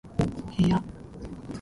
部屋